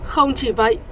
không chỉ vậy